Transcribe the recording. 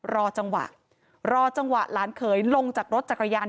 รอจังหวะรอจังหวะหลานเขยลงจากรถจักรยาน